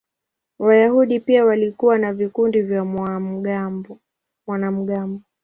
Wayahudi pia walikuwa na vikundi vya wanamgambo.